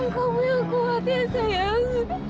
kamu yang kuat ya sayang